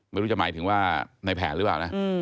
ไม่รู้จะหมายถึงว่าในแผนหรือเปล่านะ